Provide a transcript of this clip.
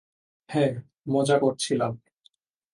হ্যাঁ, মজা করছিলাম।